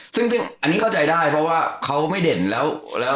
ซึ่งอันนี้เข้าใจได้เพราะว่าเขาไม่เด่นแล้ว